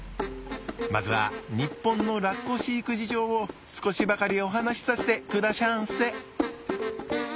まずは日本のラッコ飼育事情を少しばかりお話しさせてくだしゃんせ。